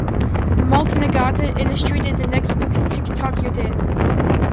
Mark Nagata illustrated the next book, Tick Tock, You're Dead!